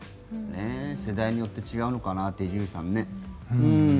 世代によって違うのかなって、伊集院さんね。